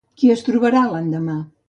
Qui es trobarà l'endemà?